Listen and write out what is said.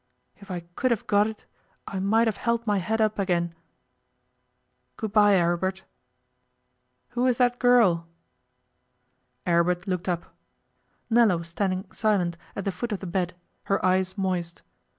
If I could have got it, I might have held my head up again. Good bye, Aribert.... Who is that girl?' Aribert looked up. Nella was standing silent at the foot of the bed, her eyes moist.